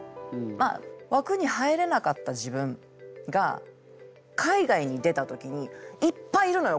まあわくに入れなかった自分が海外に出た時にいっぱいいるのよ